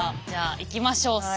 じゃあいきましょう。